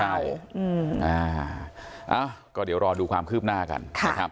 เอ้าก็เดี๋ยวรอดูความคืบหน้ากัน